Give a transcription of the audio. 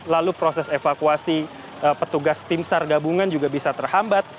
lalu proses evakuasi petugas timsar gabungan juga bisa terhambat